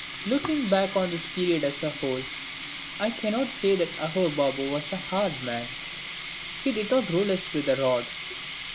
Looking back on his period as a whole, I cannot say that Aghore Babu was a hard man. He did not rule us with a rod.